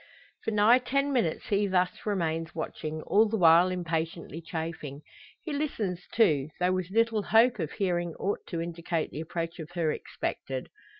For nigh ten minutes he thus remains watching, all the while impatiently chafing. He listens too; though with little hope of hearing aught to indicate the approach of her expected.